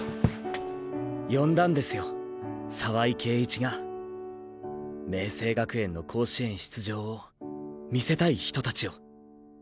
呼んだんですよ澤井圭一が明青学園の甲子園出場を見せたい人達を。